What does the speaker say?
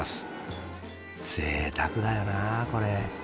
ぜいたくだよなあこれ。